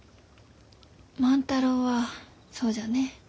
万太郎はそうじゃね。